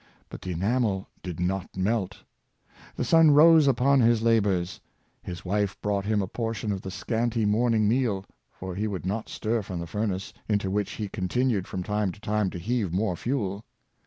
But the ena mel did not melt. The sun rose upon his labors. His wife brought him a portion of the scanty morning meal — for he would not stir from the furnace, into which he continued from time to time to heave more fuel.